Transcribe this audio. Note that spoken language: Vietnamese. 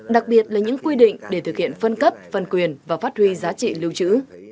đặc biệt là những quy định để thực hiện phân cấp phân quyền và phát huy giá trị lưu trữ